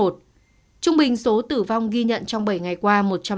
trung bình số tử vong ghi nhận trong bảy ngày qua một trăm linh